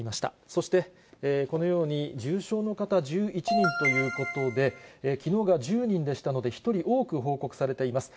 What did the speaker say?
そして、このように、重症の方、１１人ということで、きのうが１０人でしたので、１人多く報告されています。